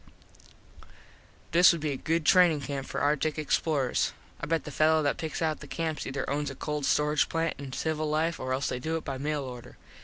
This would be a good trainin camp for artik explorers. I bet the fello that picks out the camps ether owns a cold storage plant in civil life or else they do it by mail order.